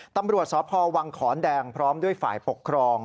ตำรวจสพวังขอนแดงพร้อมด้วยฝ่ายปกครอง